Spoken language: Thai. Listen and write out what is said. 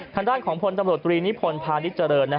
ทางด้านของพลตำรวจตรีนิพนธ์พาณิชยเจริญ